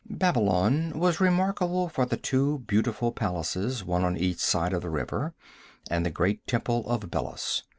Babylon was remarkable for the two beautiful palaces, one on each side of the river, and the great temple of Belus.